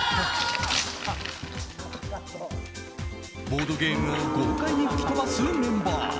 ボードゲームを豪快に吹き飛ばすメンバー。